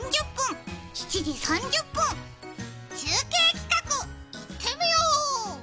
中継企画いってみよう。